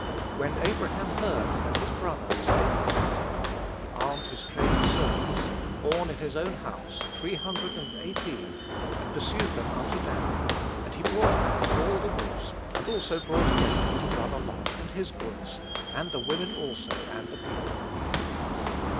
"When Abraham heard that his brother was taken captive, he armed his trained servants, born in his own house, three hundred and eighteen, and pursued them unto Dan ... and he brought back all the goods, and also brought again his brother Lot, and his goods, and the women also, and the people."